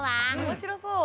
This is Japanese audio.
面白そう。